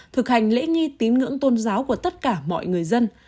thực hành lễ nghi tín ngưỡng tôn giáo của tất cả mọi người dân